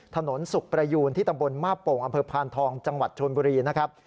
ถนนสุขประยูนที่ตำบลมาบโป่งอำเภอพานทองจังหวัดชนบุรีนะครับ